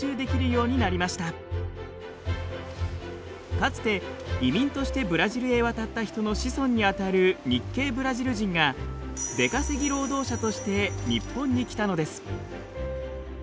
かつて移民としてブラジルへ渡った人の子孫にあたる日系ブラジル人がデカセギ労働者として日本に来たのです。